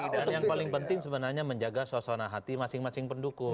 dan yang paling penting sebenarnya menjaga suasana hati masing masing pendukung